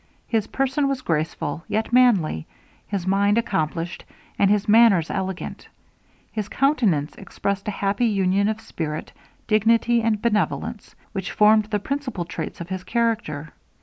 His person was graceful, yet manly; his mind accomplished, and his manners elegant; his countenance expressed a happy union of spirit, dignity, and benevolence, which formed the principal traits of his character.